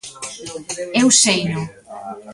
Eu seino.